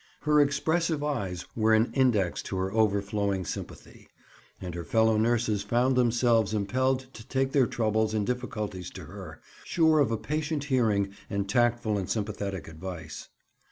Her expressive eyes were an index to her overflowing sympathy; and her fellow nurses found themselves impelled to take their troubles and difficulties to her, sure of a patient hearing and tactful and sympathetic advice.